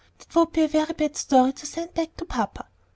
"That would be a bad story to send back to papa."